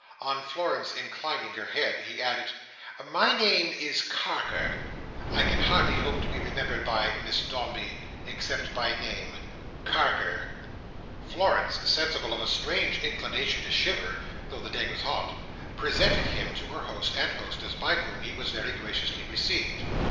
On Florence inclining her head, he added, "My name is Carker. I can hardly hope to be remembered by Miss Dombey, except by name. Carker." Florence, sensible of a strange inclination to shiver, though the day was hot, presented him to her host and hostess; by whom he was very graciously received.